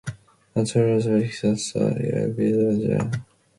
A taller brick shot tower painted with a large P became a local landmark.